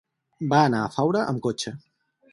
Va anar a Faura amb cotxe.